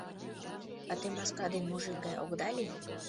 А те маска ден мужик гай огыда лий?